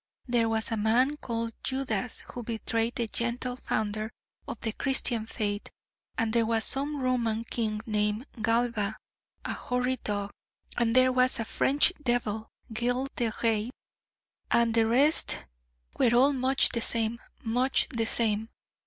There was a man called Judas who betrayed the gentle Founder of the Christian Faith, and there was some Roman king named Galba, a horrid dog, and there was a French devil, Gilles de Raiz: and the rest were all much the same, much the same.